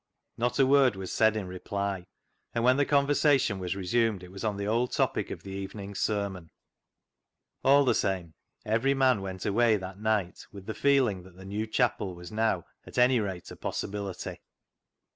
Not a word was said in reply, and when the conversation was resumed it was on the old topic of the evening's sermon. All the same every man went away that night with the feeling that the new chapel was now at anyrate a possibility.